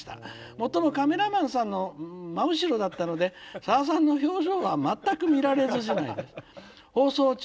最もカメラマンさんの真後ろだったのでさださんの表情は全く見られずじまいで放送中